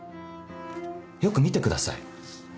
よく見てください。